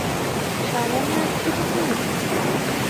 সামান্য এক ছেলে তুমি?